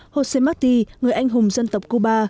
josé martí người anh hùng dân tộc cuba